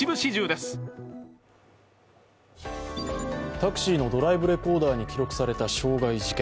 タクシーのドライブレコーダーに記録された傷害事件。